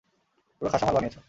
পুরো খাসা মাল বানিয়েছো।